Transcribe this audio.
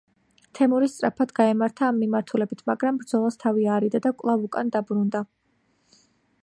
თემური სწრაფად გაემართა ამ მიმართულებით, მაგრამ ბრძოლას თავი აარიდა და კვლავ უკან დაბრუნდა.